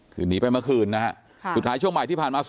คือหนีไปเมื่อคืนนะอ่ะ